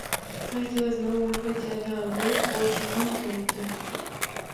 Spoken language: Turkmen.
Gaýta özüni ogurlyk edýän ýaly duýup, bolşundan utanypdy.